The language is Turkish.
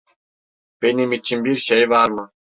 Benim için bir şey var mı?